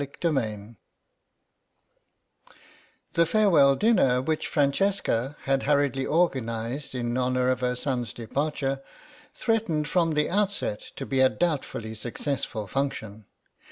CHAPTER XIV THE farewell dinner which Francesca had hurriedly organised in honour of her son's departure threatened from the outset to be a doubtfully successful function.